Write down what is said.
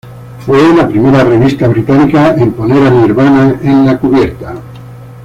Fue la primera revista británica en poner a Nirvana en la cubierta.